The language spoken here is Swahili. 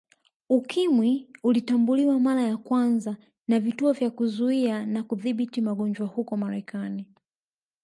Ukimwi ulitambuliwa mara ya kwanza na Vituo vya Kuzuia na Kudhibiti magonjwa huko Marekani